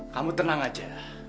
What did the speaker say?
kamu tenang aja